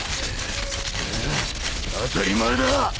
ああ当たり前だ！